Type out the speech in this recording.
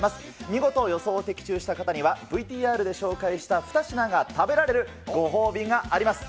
見事予想を的中した方には、ＶＴＲで紹介した２品が食べられるご褒美があります。